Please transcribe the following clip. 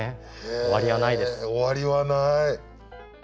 終わりはない。